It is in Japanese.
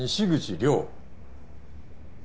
亮